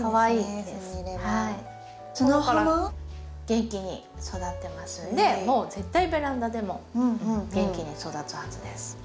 元気に育ってますんでもう絶対ベランダでも元気に育つはずです。